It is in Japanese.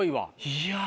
いや。